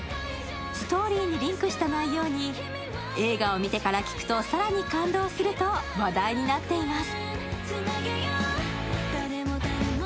ストーリーにリンクした内容に映画を見てから聴くと更に感動すると話題になっています。